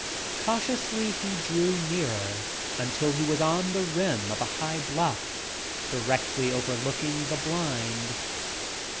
Cautiously he drew nearer until he was on the rim of a high directly overlooking the blind.